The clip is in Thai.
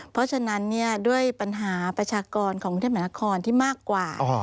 เพราะฉะนั้นด้วยปัญหาประชากรของกรุงเทพมหานครที่มากกว่า